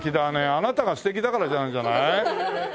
あなたが素敵だからなんじゃない？